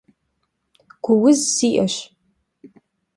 Ğujuz si'aş.